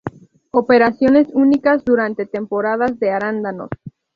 Operaciones únicas durante temporadas de Arándanos.